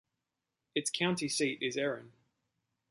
Its county seat is Erin.